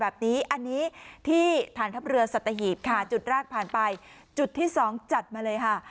แบบนี้อันนี้ที่ฐานทัพเรือสัตหีบค่ะจุดแรกผ่านไปจุดที่สองจัดมาเลยค่ะ